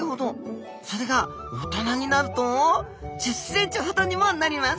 それが大人になると１０ｃｍほどにもなります。